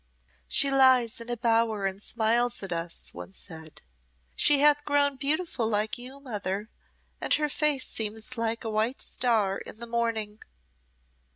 "She lies in a bower and smiles at us," one said. "She hath grown beautiful like you, mother, and her face seems like a white star in the morning."